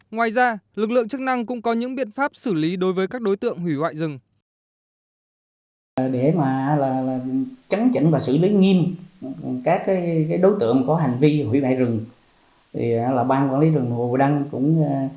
ngoài ra lực lượng chức năng cũng có những biện pháp xử lý đối với các đối tượng hủy hoại rừng